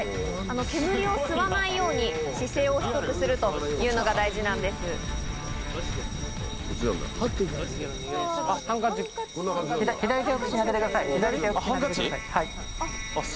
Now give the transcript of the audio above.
煙を吸わないように、姿勢を低くするというのが大事なんです。